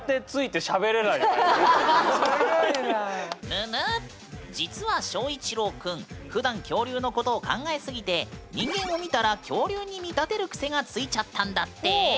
ぬぬっ実は翔一郎くんふだん恐竜のことを考えすぎて人間を見たら恐竜に見立てる癖がついちゃったんだって。